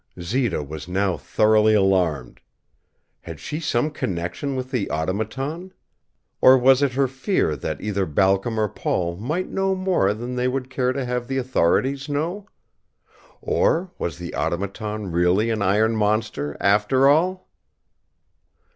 Zita was now thoroughly alarmed. Had she some connection with the Automaton? Or was it her fear that either Balcom or Paul might know more than they would care to have the authorities know? Or was the Automaton really an iron monster, after all?